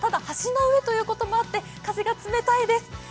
橋の上ということもあって風が冷たいです。